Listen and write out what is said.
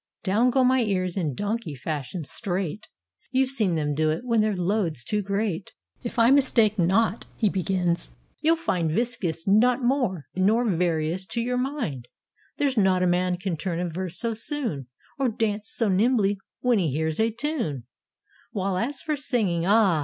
Down go my ears, in donkey fashion, straight; You've seen them do it, when their load's too great. "If I mistake not," he begins, "you'll find Viscus not more, nor Varius, to your mind: There's not a man can turn a verse so soon, Or dance so nimbly when he hears a tune: While, as for singing — ah